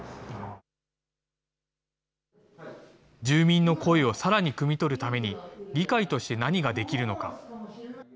住民の声をさらにくみ取るために、議会として何ができるのか。